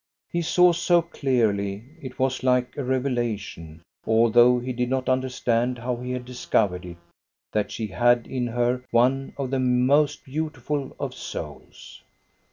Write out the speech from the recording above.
He saw so clearly it was like a revelation, although he did not understand how he had discovered it, that she had in her one of the most beautiful of souls.